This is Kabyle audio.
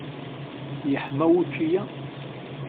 Yeḥma wučči-a?